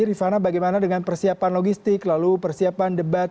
rifana bagaimana dengan persiapan logistik lalu persiapan debat